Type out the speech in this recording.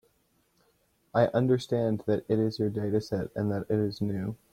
I understand that it is your dataset, and that it is new.